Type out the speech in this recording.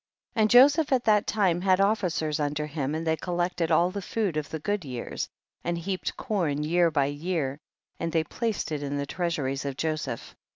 8. And Joseph at that time had officers under him, and they collected all the food of the good years, and heaped corn year by year, and they placed it in the treasuries of Joseph.